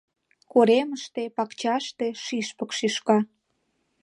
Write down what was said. Коремыште, пакчаште шӱшпык шӱшка.